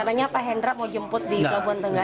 rencananya pak hendra mau jemput di kabupaten tenggayu